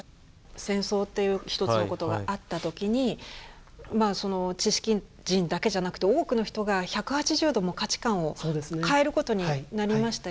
戦争っていう一つのことがあった時にまあその知識人だけじゃなくて多くの人が１８０度価値観を変えることになりましたよね。